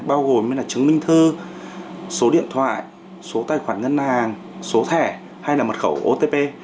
bao gồm chứng minh thư số điện thoại số tài khoản ngân hàng số thẻ hay là mật khẩu otp